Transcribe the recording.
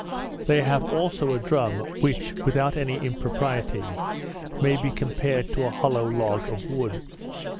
They have also a drum, which, without any impropriety, may be compared to an hollow log of wood.